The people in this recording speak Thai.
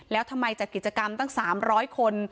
แล้วทำไมจัดกิจกรรมตั้ง๓๐๐คน